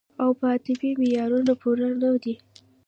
او پۀ ادبې معيارونو پوره نۀ دی